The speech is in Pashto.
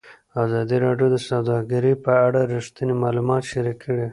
ازادي راډیو د سوداګري په اړه رښتیني معلومات شریک کړي.